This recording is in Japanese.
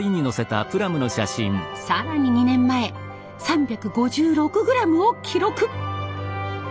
更に２年前３５６グラムを記録。